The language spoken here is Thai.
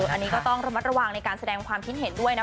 อันนี้ก็ต้องระมัดระวังในการแสดงความคิดเห็นด้วยนะ